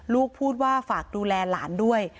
ลูกพูดว่าฝากดูแลหลานด้วย